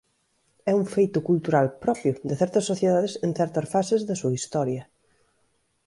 É un feito cultural propio de certas sociedades en certas fases da súa historia.